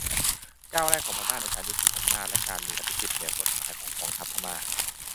ก้าวแรกของพม่าในการยุติอำนาจและการมีอภิสิทธิ์เหนือกฎหมายของกองทัพพม่า